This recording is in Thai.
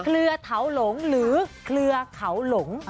เครือเถาหลงหรือเครือเขาหลง